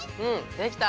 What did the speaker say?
できた！